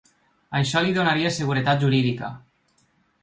Això li donaria seguretat jurídica.